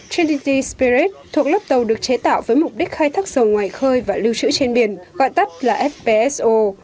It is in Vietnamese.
trinity spirit thuộc lớp tàu được chế tạo với mục đích khai thác dầu ngoài khơi và lưu trữ trên biển gọi tắt là fpso